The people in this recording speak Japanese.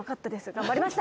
頑張りました。